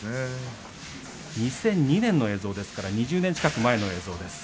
２００２年の映像ですから２０年近く前の映像。